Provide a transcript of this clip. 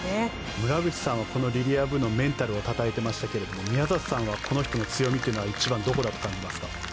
村口さんはこのリリア・ブのメンタルをたたえてましたが宮里さんはこの人の強みは一番どこだと感じますか。